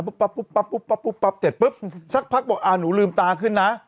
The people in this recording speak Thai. ปั๊บปุ๊บปั๊บปุ๊บปั๊บปุ๊บปั๊บเสร็จปุ๊บสักพักบอกอ่าหนูลืมตาขึ้นนะ